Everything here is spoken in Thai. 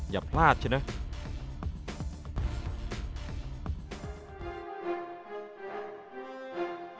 อย่าพลาดใช่ไหม